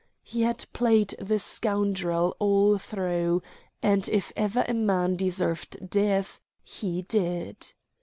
He had played the scoundrel all through, and if ever a man deserved death he did.